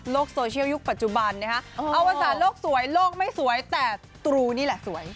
โซเชียลยุคปัจจุบันนะฮะอวสารโลกสวยโลกไม่สวยแต่ตรูนี่แหละสวย